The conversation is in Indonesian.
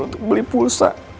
untuk beli pulsa